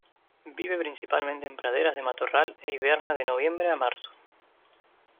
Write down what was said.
Vive principalmente en praderas de matorral e hiberna de noviembre a marzo.